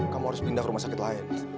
kamu harus pindah ke rumah sakit lain